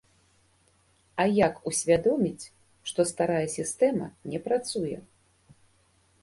А як усвядоміць, што старая сістэма не працуе?